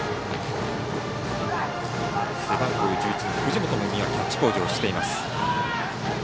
背番号１１の藤本がキャッチボールをしています。